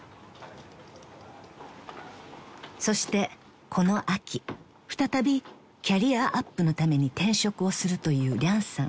［そしてこの秋再びキャリアアップのために転職をするというリャンさん］